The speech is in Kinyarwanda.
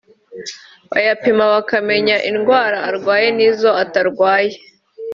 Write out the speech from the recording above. bayapima bakamenya indwara arwaye nizo atarwaye